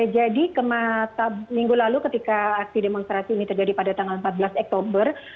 jadi kemasa minggu lalu ketika aksi demonstrasi ini terjadi pada tanggal empat belas oktober